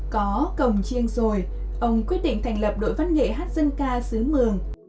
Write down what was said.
có cồng chiêng rồi ông quyết định thành lập đội văn nghệ hát dân ca xứ mường